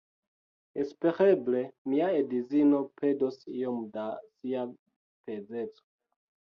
Espereble, mia edzino perdos iom da sia pezeco